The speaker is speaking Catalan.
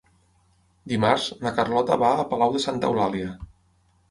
Dimarts na Carlota va a Palau de Santa Eulàlia.